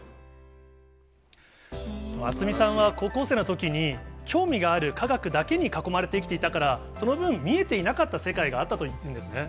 渥美さんは高校生のときに、興味がある科学だけに囲まれて生きていたから、その分、見えていなかった世界があったというんですね。